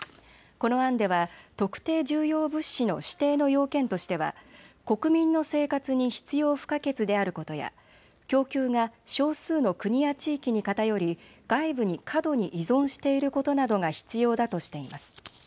この案では特定重要物資の指定の要件としては国民の生活に必要不可欠であることや供給が少数の国や地域に偏り外部に過度に依存していることなどが必要だとしています。